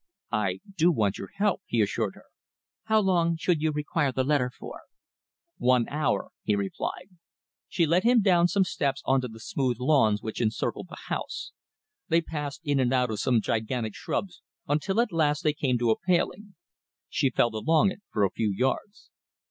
"I do want your help," he assured her. "How long should you require the letter for?" "One hour," he replied. She led him down some steps on to the smooth lawns which encircled the house. They passed in and out of some gigantic shrubs until at last they came to a paling. She felt along it for a few yards.